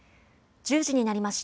１０時になりました。